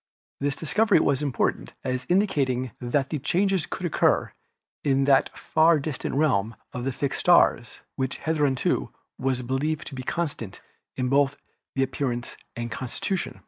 This discovery was important as indicating that changes could occur in that far distant realm of the fixed stars which hitherto was believed to be constant both in its appearance and constitution.